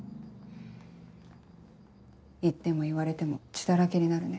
言っても言われても血だらけになるね。